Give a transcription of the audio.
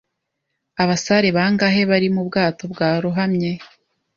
Abasare bangahe bari mu bwato bwarohamye?